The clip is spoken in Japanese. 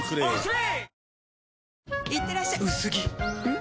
ん？